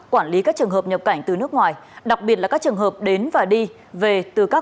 quản lý các trường hợp nhập cảnh từ nước ngoài đặc biệt là các trường hợp đến và đi về từ các